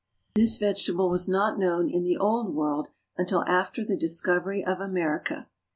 This vegetable was not known in the old world until after the discovery of America.